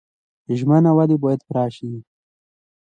ژمنه ولې باید پوره شي؟